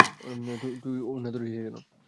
তুই ওড়না ধরেছিলি কেন?